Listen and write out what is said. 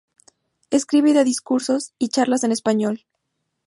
Escribe y da discursos y charlas en español.